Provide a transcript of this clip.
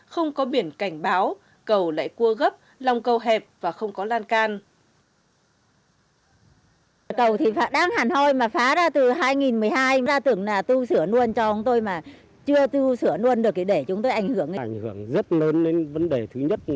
không có biển cảnh báo cầu lại cua gấp lòng cầu hẹp và không có lan can